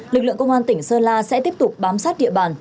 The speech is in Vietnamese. lực lượng công an tỉnh sơn la sẽ tiếp tục bám sát địa bàn